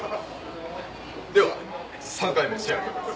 では３回目仕上げます。